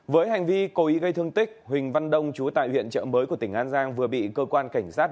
với hành vi cố ý gây thương tích huỳnh văn đông chú tại huyện trợ mới của tỉnh an giang vừa bị cơ quan cảnh sát